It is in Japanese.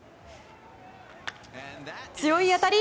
強い当たり。